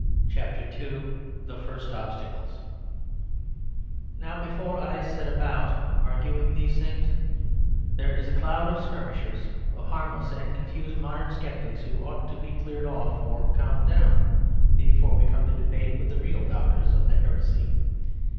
CHAPTER II THE FIRST OBSTACLES Now before I set about arguing these things, there is a cloud of skirmishers, of harmless and confused modern sceptics, who ought to be cleared off or calmed down before we come to debate with the real doctors of the heresy.